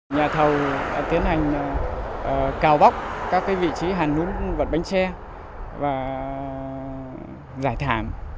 nhà thầu tiến hành cào bóc các vị trí hàn lún vật bánh xe và giải thảm